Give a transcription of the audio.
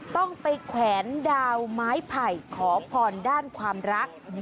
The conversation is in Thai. ต้องไปแขวนดาวไม้ไผ่ขอพรด้านความรัก